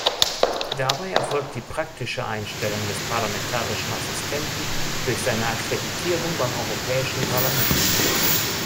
Dabei erfolgt die praktische Einstellung des parlamentarischen Assistenten durch seine Akkreditierung beim Europäischen Parlament.